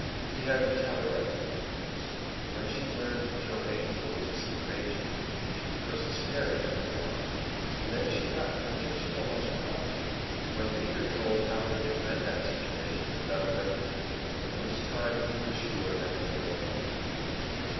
He had to tell her everything, of course; and when she learned that Joe Angell was a secret agent, she first stared at him in horror, and then she laughed until she almost cried. When Peter told how he had met that situation and got away with it, for the first time he was sure that he had won her love.